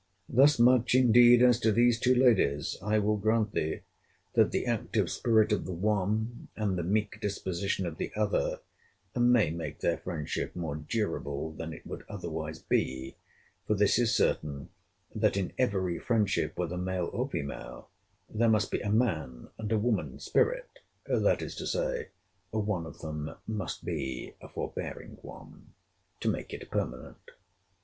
Thus much, indeed, as to these two ladies, I will grant thee, that the active spirit of the one, and the meek disposition of the other, may make their friendship more durable than it would otherwise be; for this is certain, that in every friendship, whether male or female, there must be a man and a woman spirit, (that is to say, one of them must be a forbearing one,) to make it permanent.